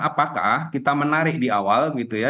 apakah kita menarik di awal gitu ya